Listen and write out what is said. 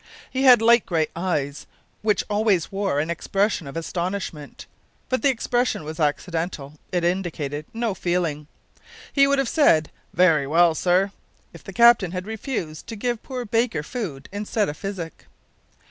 He had light grey eyes which always wore an expression of astonishment; but the expression was accidental; it indicated no feeling. He would have said, "Very well, sir," if the captain had refused to give poor Baker food instead of physic.